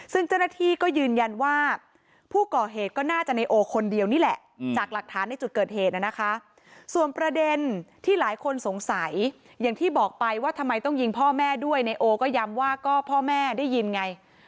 ซึ่งเจ้าหน้าที่ก็ยืนยันว่าผู้ก่อเหตุก็น่าจะนายโอคนเดียวนี่แหละ